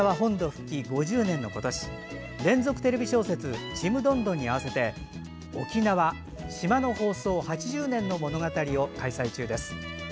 復帰５０年の今年連続テレビ小説「ちむどんどん」に合わせて「おきなわ・しまの放送８０年のものがたり」を開催中です。